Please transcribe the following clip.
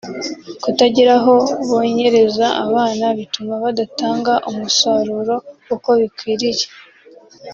kutagira aho bonkereza abana bituma badatanga umusaruro uko bikwiriye